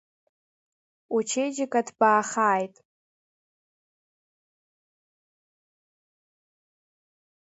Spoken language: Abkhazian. Учеиџьыкеа ҭбаахааит!